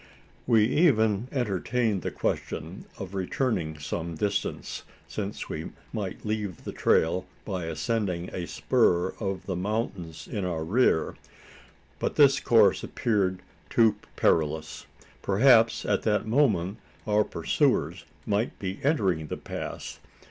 We even entertained the question of returning some distance: since we might leave the trail by ascending a spur of the mountains in our rear. But this course appeared too perilous. Perhaps at that moment our pursuers might be entering the pass?